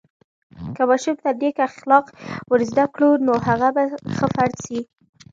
که ماشوم ته نیک اخلاق ورزده کړو، نو هغه به ښه فرد سي.